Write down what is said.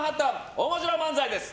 おもしろ漫才です。